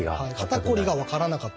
肩こりが分からなかった。